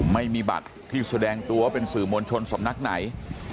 ไม่มีบัตรที่แสดงตัวเป็นสื่อมวลชนสำนักไหน